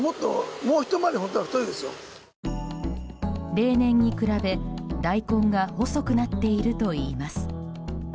例年に比べ大根が細くなっているといいます。